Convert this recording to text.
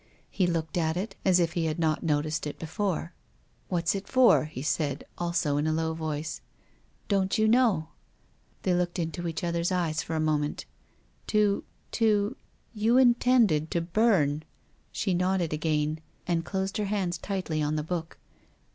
He looked at it, as if he had not. noticed it be fore. " What's it for ?" he said, also in a low voice. " Don't you know ?" They looked into each other's eyes for a mo ment. " To — to — you intended to burn " She nodded again, and closed her hands tightly on the book.